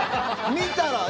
見たら、え？